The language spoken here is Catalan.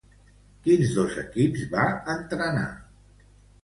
Quins dos equips va entrenar?